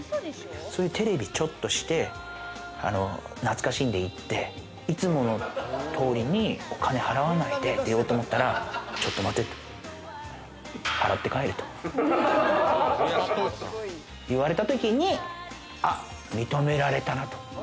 テレビちょっとして懐かしんでいって、いつもの通りにお金払わないで出ようと思ったら、ちょっと待てと、払って帰れと言われたときに、認められたなと。